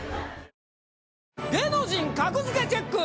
『芸能人格付けチェック！』。